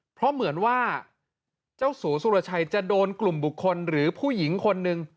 เพราะเหมือนว่าเจ้าสัวสุรชัยจะโดนกลุ่มบุคคลหรือผู้หญิงคนหนึ่ง